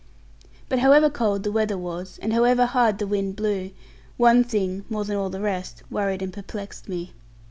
But however cold the weather was, and however hard the wind blew, one thing (more than all the rest) worried and perplexed me.